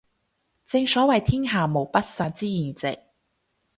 正所謂天下無不散之筵席